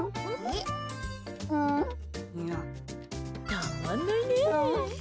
たまんないねえ。